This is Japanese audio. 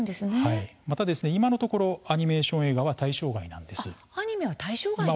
また今のところアニメーション映画は対象外なんです。